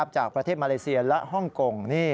จากประเทศมาเลเซียและฮ่องกง